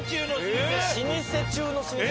老舗中の老舗。